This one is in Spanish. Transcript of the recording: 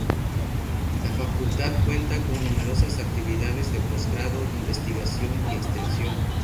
La facultad cuenta con numerosas actividades de posgrado, investigación y extensión.